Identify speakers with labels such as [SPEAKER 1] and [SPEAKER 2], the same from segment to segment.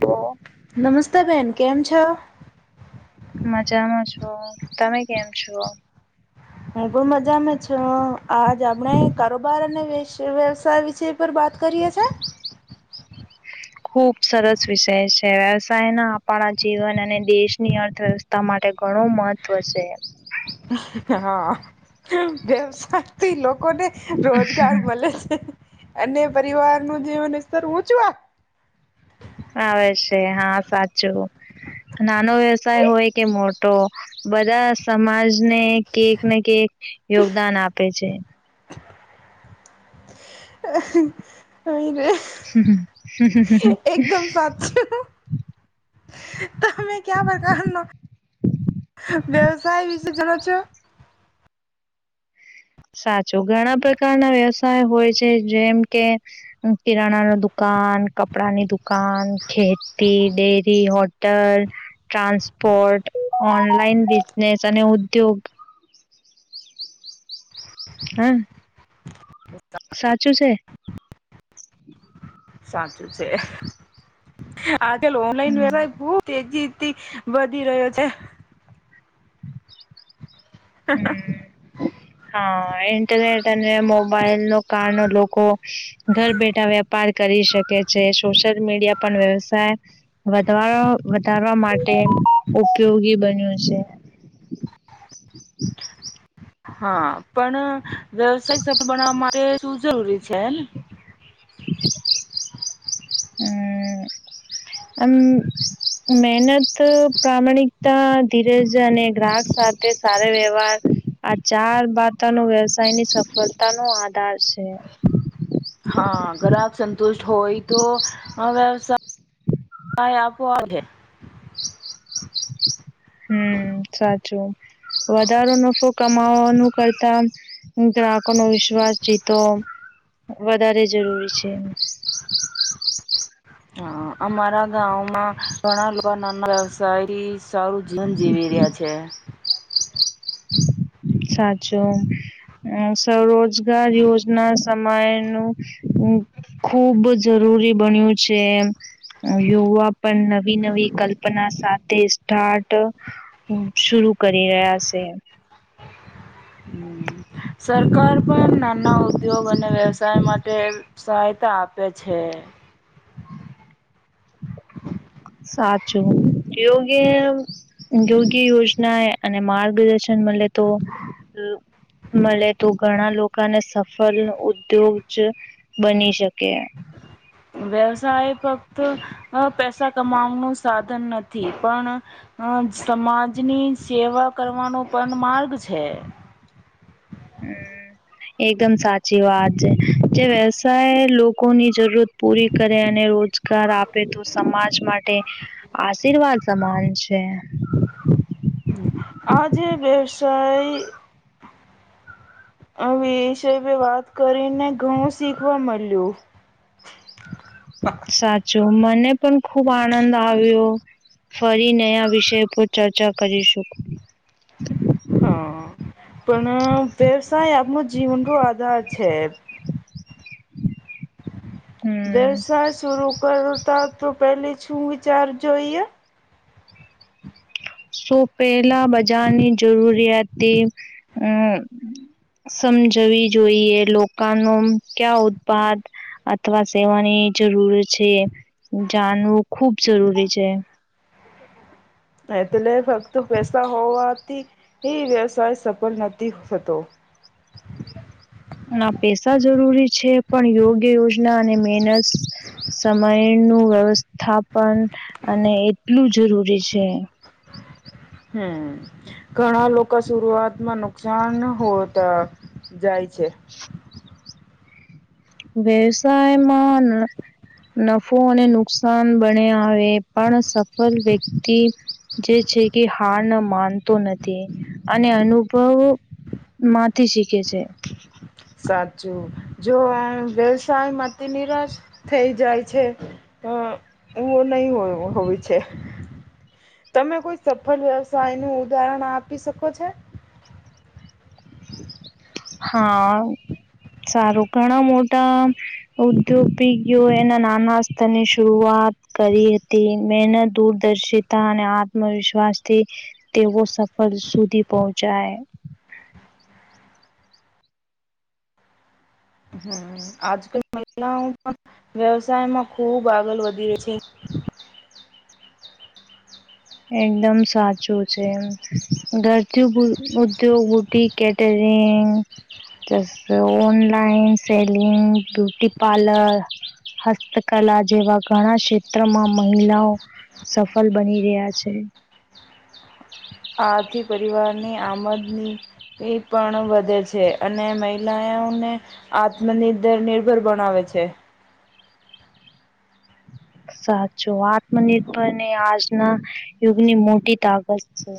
[SPEAKER 1] છો?
[SPEAKER 2] નમસ્તે બેન કેમ છો?
[SPEAKER 1] મજામાં છો તમે કેમ છો??
[SPEAKER 2] હુ પણ મજામાં છુ, આજ આપણે કારોબાર અને વ્ય વ્યવસાય વિશે પર વા ત કરીએ છે.
[SPEAKER 1] ખુબ સરસ વિષય છે, વ્યવસાય ના આપણા જીવન અને દેશની અર્થવ્યવસ્થા મા તે ઘણું મહત્ત્વ છે.
[SPEAKER 2] હા વ્યવસાયથી લો કોને રોજગાર મલે છે. અને પરિવાર નું જીવનસતર ઊંચુ
[SPEAKER 1] આવે છે હા સાચું નાનો વ્યવસાય હોય કે મોટો બધા સમાજને કેકને કેક યોગદાન આપે છે.
[SPEAKER 2] હાઈવે
[SPEAKER 1] હમ્મ
[SPEAKER 2] એકદમ સાચું તમે ક્યા પ્રકારનો વ્યવસાય વિશે જાણો છો?
[SPEAKER 1] સાચું ઘણા પ્રકારના વ્યવસાય હોય છે, જેમ કે કિરાણા ન દુકા ન કપડાની દુકાન ખેતી ડેરી હોટલ ટ્રાન્સપો કોટૅ ઓનલાઈન બિઝનેસ અને ઉદ્યોગ
[SPEAKER 2] [unintelligible]
[SPEAKER 1] હા સાચું છે.
[SPEAKER 2] સાચું છે આ જે ઓનલાઈન વ્ય
[SPEAKER 1] હમ
[SPEAKER 2] ખુબ તેજી થી વધી રહ્યો છે. [inaudible]
[SPEAKER 1] હા, ઇન્ટરનેટ અને મોબાઈલ નો કારણો લોકો ઘર બેઠા વેપાર કરી શકે છે, સોશિયલ મીડિયા પણ વ્યવસાય વધવા વધારવા માટે ઉપયોગી બન્યું છે.
[SPEAKER 2] [inaudible] હા પણ વ્યવસાય સફળ બનાવા માટે જરૂરી છેને
[SPEAKER 1] હમ્મ મ મહેનત પ્રમાણિકતા ધીરજ અને ગ્રાહક સાથે સારો વ્યવહાર આ ચાર બાતા નો વ્યવસાય ની સફળતા નો આધાર છે.
[SPEAKER 2] હા ગ્રાહક સંતુષ્ટ હોય તો વ્યવસા હાઈ આપો આવે
[SPEAKER 1] હમ સાચું વધારો નફો કમાવાનું કરતા હુ ગ્રાહકો નો વિશ્વાસ જીતો વધારે જરૂરી છે.
[SPEAKER 2] હા અમારા ગાવ માં ઘણા લોકો નાના શાયરી સારું જીવન જીવી રહ્યા છે.
[SPEAKER 1] સાચો સ્વરોજગાર યોજના સમાયનું ખુબ જરૂરી બન્યું છે એમ યુવા પણ નવી નવી કલ્પના સાથે સ્ટાર્ટ શુરુ કરી રહ્યા છે.
[SPEAKER 2] સરકાર પણ નાના ઉદ્યોગ અને વ્યવસાય માટે સહાય તા આપે છે. [inaudible]
[SPEAKER 1] સાચું. યોગ્ય યોગ્ય યોજના અને માર્ગદર્શન મલ તો મલે તો ઘણા લોકોને સફળ ઉદ્યોગ જ બની શકે.
[SPEAKER 2] વ્યવસાય ફક્ત અ પૈસા કમાવાનું સાધન નથી પણ અ અ સમાજની સેવા કરવાનો પણ માર્ગ છે.
[SPEAKER 1] હમ. એકદમ સાચી વાત છે. જે વ્યવસાય લોકોની જરૂરત પૂરી કરે અને રોજગાર આપે તો સમાજ માટે, આશીર્વાદ સમાન છે. [inaudible]
[SPEAKER 2] આજે વ્યવસાય હવે એ વિષય પે વાત કરીને ઘણું શીખવા મળ્યું. [unintelligible]
[SPEAKER 1] સાચું મને પણ ખુબ આનંદ આવ્યો. ફરી નયા વિષય પર ચર્ચા કરીશું.
[SPEAKER 2] હા. પણ અ વ્યવસાય આપનો જીવનનો આધાર છે, એમ.
[SPEAKER 1] હમ
[SPEAKER 2] વ્યવસાય સુરુ કરતા તો પેલુ શુવિચાર જોઈએ?
[SPEAKER 1] સું પહેલા બજારની જરૂરિયાત અ સમજવી જોઈએ લોકો ન ક્યા ઉદપાદ. અથવા સેવાની જરૂર છે જાણવું ખૂબ જરૂરી છે.
[SPEAKER 2] એટલે ફક્ત પેસા હોવાથી વ્યવસાય સફળ નથી થતો. [inaudible]
[SPEAKER 1] ના પેસા જરૂરી છે પણ યોગ્ય યોજના અને મેહનત સમય નું વ્યવસ્થાપન અને એટલું જરૂરી છે.
[SPEAKER 2] હમ્મ ઘણા લોકો સુરઆતમાં નુકસાન હો ત જાય છે.
[SPEAKER 1] વ્યવસાયમાં ન નફો અને નુકસાન બને આવે પણ સફળ વ્યક્તિ જે છે કે હાર ન માનતો નથી અને અનુભવ- - માંથી શીખે છે.
[SPEAKER 2] સાચું જો વ્યવસાયમાં તે નિરાશ થઈ જાય છે એવો નહી હોય છે. તમે કોઈ સફળ વ્યવસાય નું ઉદાહરણ આપી શકો છો?
[SPEAKER 1] હા સારું ઘણા મોટા ઉદ્યોગિકઓ એના નાના સ્તરની શરઆત વાત કરી હતી મહેનત દૂરદર્શિતા અને આત્મવિશ્વાસથી તેઓ સફળ સુધી પહોંચાય.
[SPEAKER 2] [inaudible] હમ આજ કલ મહલાઓ પણ વ્યવસાયમાં ખૂબ આગળ વધ્યો છે.
[SPEAKER 1] એકદમ સાચું છે એમ ઘરથી ઉદ્યોગ બી કેટે તેમ જસ ઓનલાઈન સેલિંગ બ્યુટી પાર્લર. હસ્તકલા જેવા ઘણા ક્ષેત્રમાં મહિલાઓ સફળ બની રહ્યા છે. છે.
[SPEAKER 2] આથી પરિવારની આમદની એ પણ વધે છે અને મહિલાઓને આત્મનિર્ભર બનાવે છે. છે. [inaudible]
[SPEAKER 1] સાચો આત્મનિર્ભર ને આજના યુગની મોટી તાકાત છે.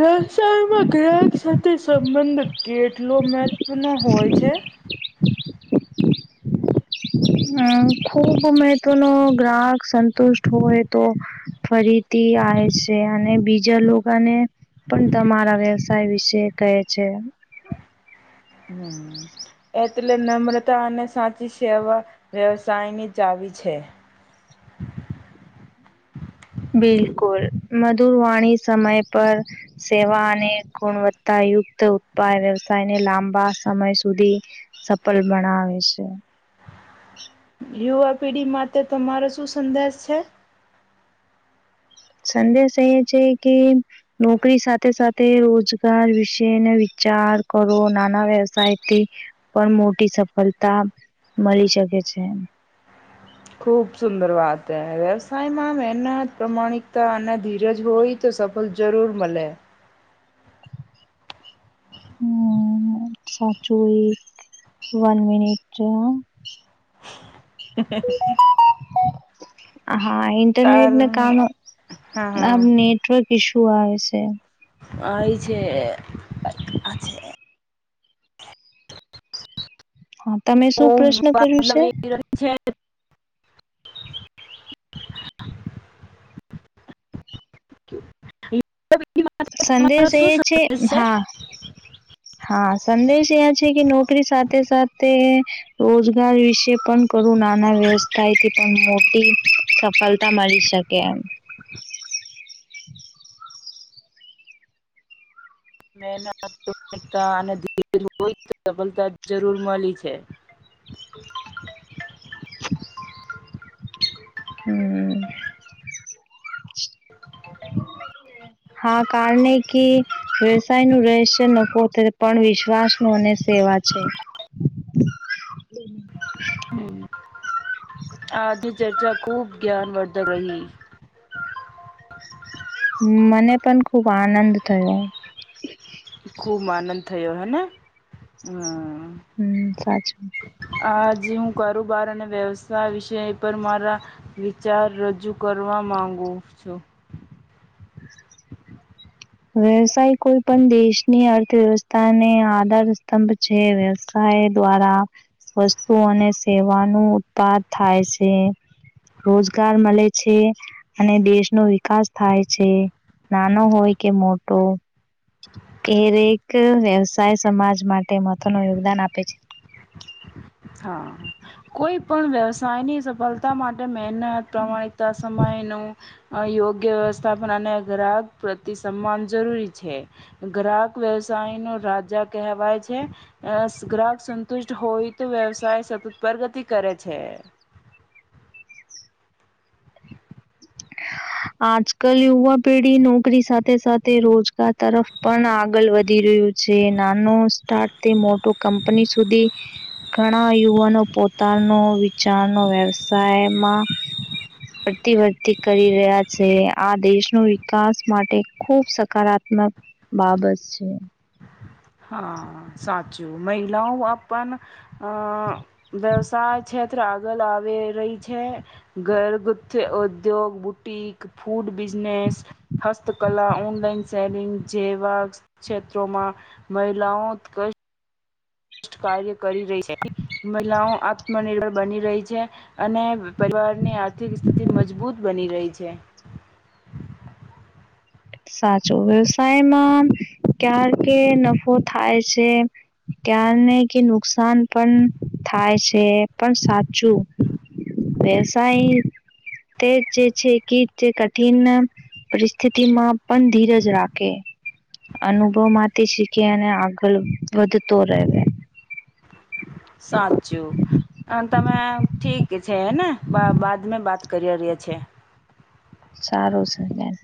[SPEAKER 2] વલસાડ માં ગ્રાહક સાથે સંબંધ કેટલો મહત્વનો હોય છે.
[SPEAKER 1] હમ ખુબ મહત્વ નો ગ્રાહક સંતુષ્ટ હોય તો ફરી આવે છે અને બીજા લોકોને પણ તમારા વ્યવસાય વિશે કહે છે.
[SPEAKER 2] [inaudible] હ એટલે નમ્રતા અને સાચી સેવા વ્યવસાયની ચાવી છે.
[SPEAKER 1] બિલકુલ મધુવાણી સમય પર સેવા અને ગુણવત્તા યુક્ત ઉત્પાદ વ્યવસાય ને લાંબા સમય સુધી સફળ બનાવે છે.
[SPEAKER 2] યુવા પેઢી માટે તમારો શું સંદેશ છે.
[SPEAKER 1] સંદેશ એ છે કે નોકરી સાથે સાથે રોજગાર વિશે ઉચાર કરો નાના વ્યવસાયથી પણ મોટી સફળતા મળી શકે છે એમ
[SPEAKER 2] [inaudible] ખુબ સુંદર વાત હે વ્યવસાયમાં મહેનત પ્રમાણિકતા અને ધીરજ હોય તો સફલતા જરૂર મળે. [inaudible]
[SPEAKER 1] હમ સાચું એક વન મિનિટ
[SPEAKER 2] [unintelligible]
[SPEAKER 1] હા ઇન્ટરનેટને
[SPEAKER 2] કારણ
[SPEAKER 1] કામો
[SPEAKER 2] હા
[SPEAKER 1] આમ
[SPEAKER 2] હા
[SPEAKER 1] નેટવર્ક ઈશુ આવે છે.
[SPEAKER 2] આઇ છે.
[SPEAKER 1] હા તમે
[SPEAKER 2] ઓ
[SPEAKER 1] શું પ્રશ્ન કર્યું
[SPEAKER 2] મતલબ
[SPEAKER 1] છે?
[SPEAKER 2] એવી છે [unintelligible] [unintelligible] [unintelligible] તમારો
[SPEAKER 1] સંદેશ
[SPEAKER 2] શું
[SPEAKER 1] એ છે
[SPEAKER 2] સંદેશ
[SPEAKER 1] હા. હા સંદેશ એ છે કે નોકરી સાથે સાથે રોજગાર વિશે પણ કરું નાના વ્યવસ્થાયથી પણ મોટી સફલતા મલી શકે એમ.
[SPEAKER 2] [inaudible] મેહેનત પ્રિતમિકતા અને ધીરજ હોય તો સફળતા જરૂર મલી છે. [unintelligible]
[SPEAKER 1] હમ્મ.
[SPEAKER 2] [unintelligible]
[SPEAKER 1] હા કારને કે વ્યવસાયનું રહેશે લોકો ટ્રે પણ વિશ્વાસ નું અને એવા છે.
[SPEAKER 2] [inaudible] હમ્મ. આજની ચર્ચા ખૂબ જ્ઞાન વર્ધક રહી.
[SPEAKER 1] મને પણ ખુબ આનંદ થયો.
[SPEAKER 2] ખુબ આનંદ થયો હેને, હમ્મ.
[SPEAKER 1] હમ્મ, સાચું.
[SPEAKER 2] જે હું કરુબાર અને વ્યવસાય વિષય પર મારા વિચાર રજૂ કરવા માંગુ ગું છું.
[SPEAKER 1] વ્યવસાય કોઈ પણ દેશની અર્થવ્યવસ્થાને આધાર સ્તંભ છે. વ્યવસા ય દ્વારા વસ્તુ અને સેવા નું ઉત્તાદ થાય સે. રોજગાર મલે છે અને દેશ નો વિકાસ થાય છે. નાનો હોય કે મોટો કેરેક વ્યવસાય સમાજ માટે મહત્વ નો યોગદાન આપે છે.
[SPEAKER 2] હા, કોઈ પણ વ્યવસાય ની સફલતા માટે મે હનત, પ્રમાણિકતા, સમય નું અહ યોગ્ય સ્થાપના અને ગ્રાહક પ્રતિ સન્માન જરૂરી છે. ગ્રાહક વ્યવસાય નું રાજા કેહવાય છે, અસ ગ્રાહક સંતુષ્ટ હોય તો વ્યવસાય સતત પરગતિ કરે છે.
[SPEAKER 1] આજ કલ યુવા પીઢી નોકરી સાથે સાથે રોજગાર તરફ પણ આગલ વ ધી રહ્યું છે, નાનો સ્ટાર્ટ તે મોટો કંપની સુધી ઘણા યુવાનો પોતાનો વિચારનો વ્યવસાયમાં ભતી ભરતી કરી રહ્યા છે. આ દેશ નો વિકાસ માટે ખુબ સકારાત્મક બાબસ છે.
[SPEAKER 2] હા સાચું, મહિલાઓ આપન અહ વ્યવસાય છેત્ર આ ગલ આવે રહી છે, ઘર ગુથ ઉદ્યોગ, બુટિક, ફૂડ બિઝનેસ, હસ્તકલા, ઓનલાઈન સેલિંગ જેવા છેત્રોમાં મહિલાઓત કશ કાર્ય કરી રહી છે. મહિલાઓ આત્મનિર્ભર બની રહી છે અને પરિ વારની આર્થિક સ્થિતિ મજબૂત બની રહી છે.
[SPEAKER 1] સાચું, વ્યવસાયમાં ક્યાર કે નફો થાય છે ક્યારને કે નુકસાન પણ થાય છે, પણ સાચું વ્યવસાય તે જ જે છે કે જે કઠિન પરિસ્ થિમાં પણ ધીરજ રાકે. અનુભવમાંથી શીખી અને આગળ વધતો રેવે.
[SPEAKER 2] સાચું તમે ઠીક છે હેને, બા બાદ મે બાત કર્યા રર્યા છે.
[SPEAKER 1] સારું સે બેન.